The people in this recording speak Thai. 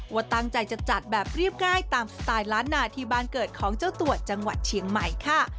ว่าตั้งใจจะจัดแบบเรียบง่ายตามสไตล์ล้านนาที่บ้านเกิดของเจ้าตัวจังหวัดเชียงใหม่ค่ะ